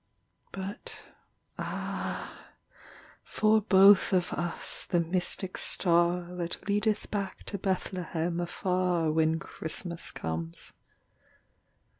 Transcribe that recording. But ah, for both of us the mystic star That leadeth back to Bethlehem afar, When Christmas comes.